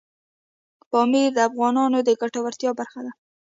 پامیر د افغانانو د ګټورتیا برخه ده.